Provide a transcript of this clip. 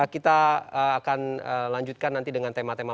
kita akan lanjutkan nanti dengan tema tema